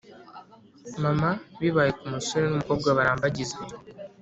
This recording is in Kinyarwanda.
mama bibaye ku musore n’umukobwa barambagizanya